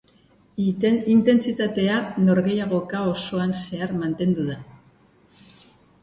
Intentsitatea norgehiagoka osoan zehar mantendu da.